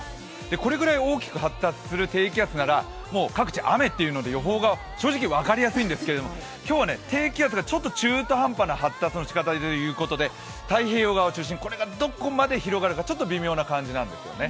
これくらい大きく発達する低気圧なら各地雨というので予報が正直分かりやすいんですけど、今日は低気圧がちょっと中途半端な発達のしかたということで太平洋側を中心に、これがどこまで広がるかちょっと微妙な感じなんですね。